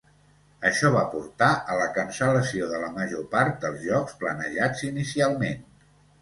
Això va portar a la cancel·lació de la major part dels jocs planejats inicialment.